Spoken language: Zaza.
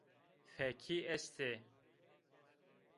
Fekî estê